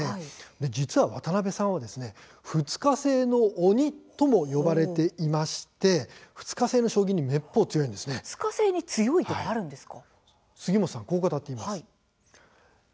実は渡辺さんは「２日制の鬼」とも呼ばれていて２日制の将棋に２日制に強いとか杉本さんはこう語っています。